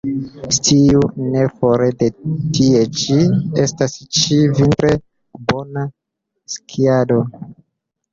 Sciu, ne fore de tie ĉi, estas ĉi-vintre bona skiado.